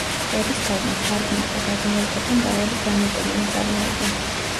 ერისთავმა თარგმნა და გადმოაკეთა მრავალი დრამატული ნაწარმოები.